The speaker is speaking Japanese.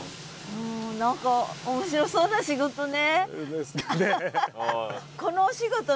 何か面白そうな仕事ね。